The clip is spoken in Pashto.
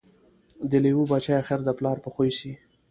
د لېوه بچی آخر د پلار په خوی سي